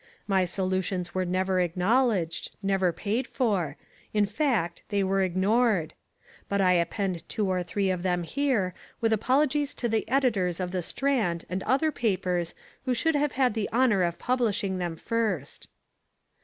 My solutions were never acknowledged, never paid for, in fact they were ignored. But I append two or three of them here, with apologies to the editors of the Strand and other papers who should have had the honour of publishing them first.